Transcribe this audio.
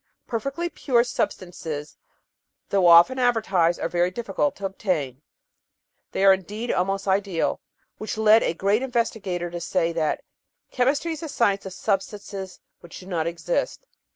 Perfectly pure substances, though often advertised, are very difficult to obtain; they are indeed almost ideal, which led a great investigator to say that "chemistry is the science of substances which do not exist."